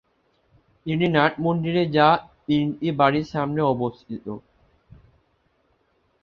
তিনটি নাট মন্দির যা তিনটি বাড়ীর সামনে অবস্থিত।